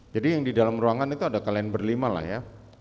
jadi yang di dalam ruangan itu ada kalian berlima lah ya